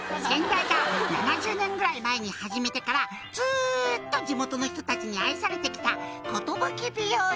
「先代が７０年ぐらい前に始めてからずっと地元の人たちに愛されて来た」